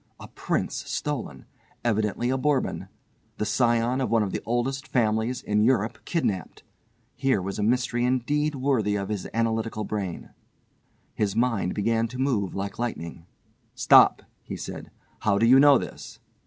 A prince stolen! Evidently a Bourbon! The scion of one of the oldest families in Europe kidnapped. Here was a mystery indeed worthy of his analytical brain. His mind began to move like lightning. "Stop!" he said, "how do you know this?"